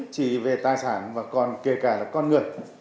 chỉ về tài sản và còn kể cả là con người